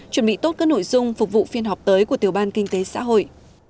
chuẩn bị tốt các nội dung phục vụ phiên họp tới của tiểu ban kinh tế xã hội